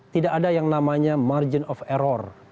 tidak ada yang namanya margin of error